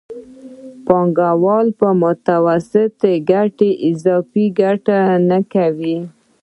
پانګوال په متوسطې ګټې اضافي ګټه نه کوي